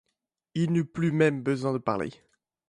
Il n'eut plus même besoin de parler.